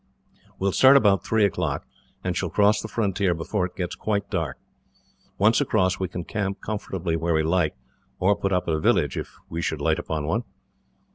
We will start about three o'clock, and shall cross the frontier before it gets quite dark. Once across, we can camp comfortably where we like, or put up at a village, if we should light upon one.